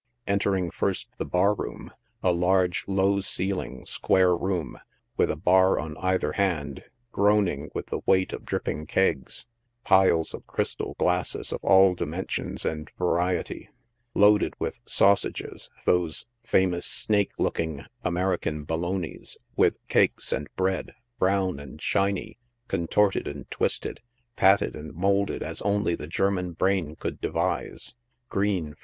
Entering first the bar room, a large, low ceiling, square room, with a bar on either hand, groaning with the weight of dripping kegs, piles of crystal glasses of all dimensions and variety ; loaded with sausages, those famous snake looking, American " Bolognas," with cakes and bread, brown and shiny, contorted and twisted, patted and moulded as only the German brain could devise ; green, fre.